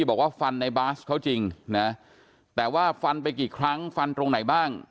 บอกว่าฟันในบาสเขาจริงนะแต่ว่าฟันไปกี่ครั้งฟันตรงไหนบ้าง